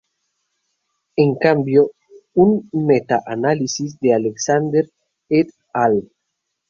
En cambio, un meta-análisis de Alexander et al.